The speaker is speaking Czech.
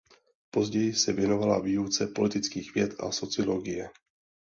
Později se věnovala výuce politických věd a sociologie.